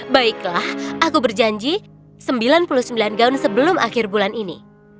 baiklah aku berjanji sembilan puluh sembilan gaun sebelum akhir bulan ini